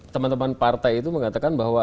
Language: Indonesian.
teman teman partai itu mengatakan bahwa